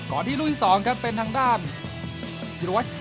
ดีกว่าที่เจ้าชินได้เป็นละตัวของนำไว้ก่อนครับจากศิษย์คิดของวิวัตรไทยเจริญ